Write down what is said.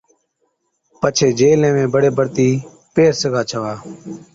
پڇي جين ليوين بڙي بڙتِي پيهر سِگھا ڇَوا۔